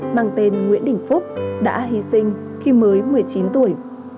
mang tên nguyễn đình phúc đã hy sinh khi mới một mươi chín tuổi